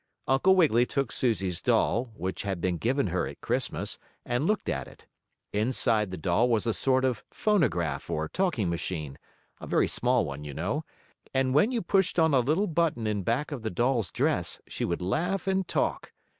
Uncle Wiggily took Susie's doll, which had been given her at Christmas, and looked at it. Inside the doll was a sort of phonograph, or talking machine a very small one, you know and when you pushed on a little button in back of the doll's dress she would laugh and talk.